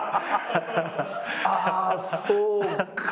あそうか。